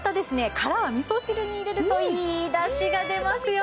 殻は味噌汁に入れるといいだしが出ますよ